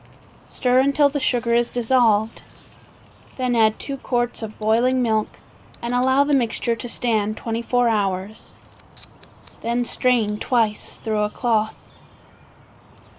Stir until the sugar is dissolved, then add two quarts of boiling milk and allow the mixture to stand twenty four hours. Then strain twice through a cloth.